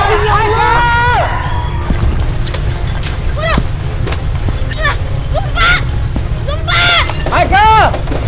ayo semua keluar